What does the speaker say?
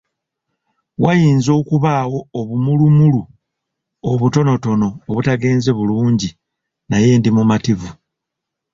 Wayinza okubaawo obumulumulu obutonotono obutagenze bulungi naye ndi mumativu.